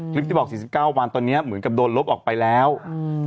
คลิปที่บอกสี่สิบเก้าวันตอนเนี้ยเหมือนกับโดนลบออกไปแล้วอืม